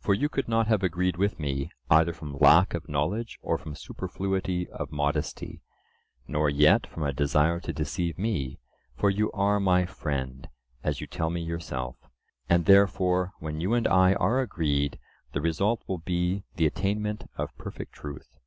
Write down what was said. For you could not have agreed with me, either from lack of knowledge or from superfluity of modesty, nor yet from a desire to deceive me, for you are my friend, as you tell me yourself. And therefore when you and I are agreed, the result will be the attainment of perfect truth.